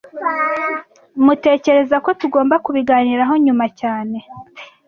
Tmutekereza ko tugomba kubiganiraho nyuma cyane